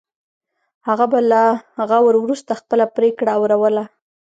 هغه به له غور وروسته خپله پرېکړه اوروله.